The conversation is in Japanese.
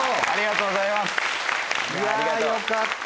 いやよかった。